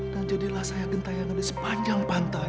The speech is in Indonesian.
dan jadilah saya gentayangan di sepanjang pantai